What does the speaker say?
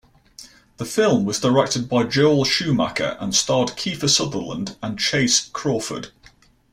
The film was directed by Joel Schumacher and starred Kiefer Sutherland and Chace Crawford.